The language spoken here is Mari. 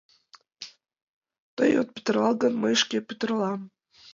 Тый от пӱтырал гын, мый шке пӱтыралам.